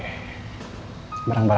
thanku bien masanya mbah